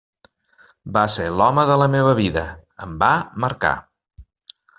Va ser l'home de la meva vida, em va marcar.